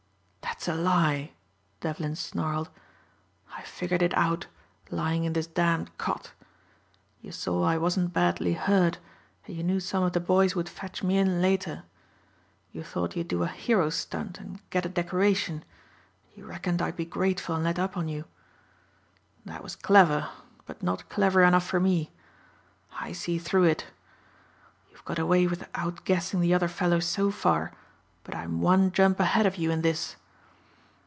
"That's a lie," Devlin snarled, "I've figured it out lying in this damned cot. You saw I wasn't badly hurt and you knew some of the boys would fetch me in later. You thought you'd do a hero stunt and get a decoration and you reckoned I'd be grateful and let up on you. That was clever but not clever enough for me. I see through it. You've got away with out guessing the other feller so far but I'm one jump ahead of you in this."